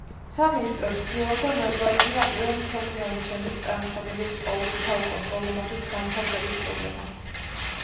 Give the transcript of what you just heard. სამინისტრო ცდილობდა, მოეგვარებინა პირველი მსოფლიო ომის შემდეგ წარმოშობილი ლტოლვილთა უკონტროლო მასის განთავსების პრობლემა.